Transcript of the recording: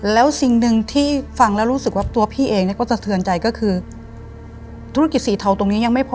แล้วสิ่งหนึ่งที่ฟังแล้วรู้สึกว่าตัวพี่เองเนี่ยก็สะเทือนใจก็คือธุรกิจสีเทาตรงนี้ยังไม่พอ